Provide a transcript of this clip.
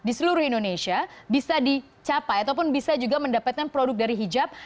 jadi anda di seluruh indonesia bisa dicapai ataupun bisa juga mendapatkan produk dari hijab